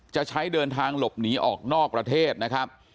จะใช้เดินทางหลบหนีออกนอกประเทศนะครับ